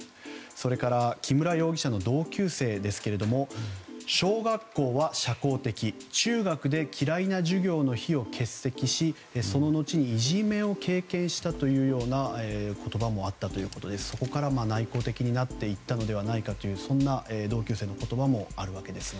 それから木村容疑者の同級生ですが小学校は社交的中学で嫌いな授業の日を欠席しその後いじめを経験したというような言葉もあったということでそこから内向的になっていったのではないかというそんな同級生の言葉もあるわけですが。